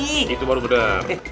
itu baru bener